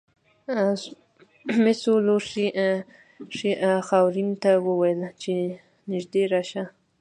مسو لوښي خاورین ته وویل چې نږدې راشه.